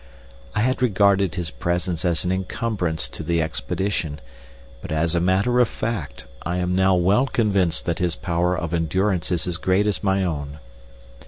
I had regarded his presence as an encumbrance to the expedition, but, as a matter of fact, I am now well convinced that his power of endurance is as great as my own.